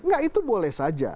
enggak itu boleh saja